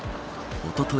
おととい